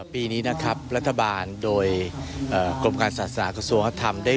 ปีนี้นะครับรัฐบาลโดยกรมการศาสนากระทรวงวัฒนธรรมได้